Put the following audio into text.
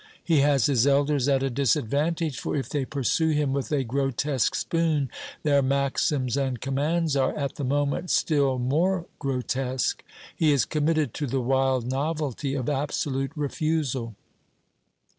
He has his elders at a disadvantage; for if they pursue him with a grotesque spoon their maxims and commands are, at the moment, still more grotesque. He is committed to the wild novelty of absolute refusal.